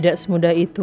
tidak semudah itu al